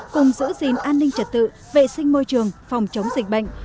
cùng giữ gìn an ninh trật tự vệ sinh môi trường phòng chống dịch bệnh